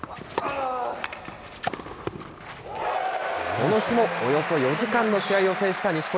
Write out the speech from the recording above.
この日も、およそ４時間の試合を制した錦織。